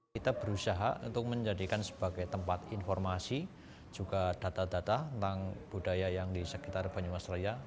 kita berusaha untuk menjadikan sebagai tempat informasi juga data data tentang budaya yang di sekitar banyumasraya